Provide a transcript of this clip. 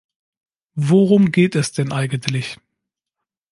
Worum geht es denn eigentlich?